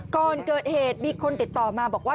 ก่อนเกิดเหตุมีคนติดต่อมาบอกว่า